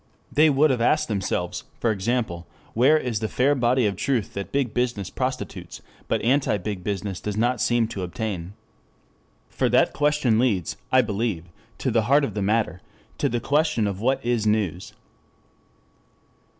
They would have asked themselves, for example, where is the fair body of truth, that Big Business prostitutes, but anti Big Business does not seem to obtain? For that question leads, I believe, to the heart of the matter, to the question of what is news.